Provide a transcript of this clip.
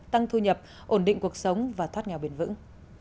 tăng thu nhập ổn định cuộc sống và thoát nghèo bền vững